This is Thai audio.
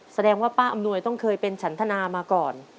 แสดงว่าป้าอำนวยต้องเคยเป็นฉันธนามาก่อน